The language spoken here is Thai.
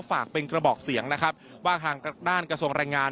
ฝากเป็นกระบอกเสียงนะครับว่าทางด้านกระทรวงแรงงาน